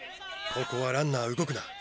ここはランナー動くな。